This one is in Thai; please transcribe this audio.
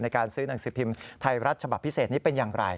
การซื้อหนังสือพิมพ์ไทยรัฐฉบับพิเศษนี้เป็นอย่างไร